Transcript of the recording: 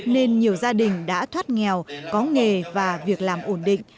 nên nhiều gia đình đã thoát nghèo có nghề và việc làm ổn định